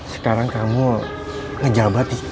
sekarang kamu ngejabat di sekabumi